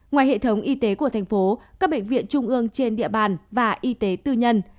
ngoài hệ thống y tế của thành phố các bệnh viện trung ương trên địa bàn và y tế tư nhân